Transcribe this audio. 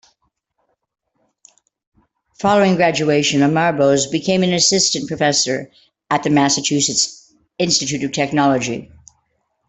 Following graduation, Amar Bose became an assistant professor at the Massachusetts Institute of Technology.